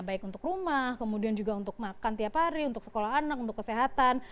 baik untuk rumah kemudian juga untuk makan tiap hari untuk sekolah anak untuk kesehatan